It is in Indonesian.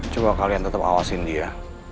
coba kalian tetap awasin dia